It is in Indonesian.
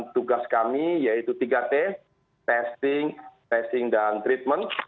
tugas kami yaitu tiga t testing tracing dan treatment